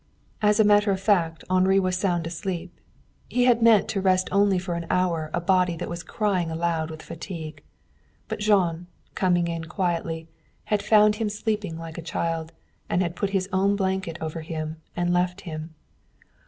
As a matter of fact Henri was sound asleep. He had meant to rest only for an hour a body that was crying aloud with fatigue. But Jean, coming in quietly, had found him sleeping like a child, and had put his own blanket over him and left him.